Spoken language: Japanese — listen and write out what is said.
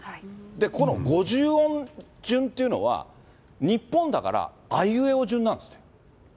この５０音順っていうのは、日本だからあいうえお順なんですって。